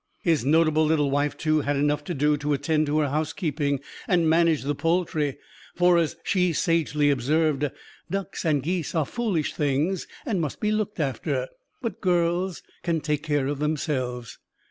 His notable little wife, too, had enough to do to attend to her housekeeping and manage the poultry; for, as she sagely observed, ducks and geese are foolish things, and must be looked after, but girls can take care of themselves.